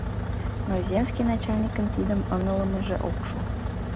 Но земский начальникын тидым ыҥылымыже ок шу...